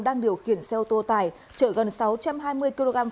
đang điều khiển xe ô tô tải chở gần sáu trăm hai mươi kg pháo nổ các loại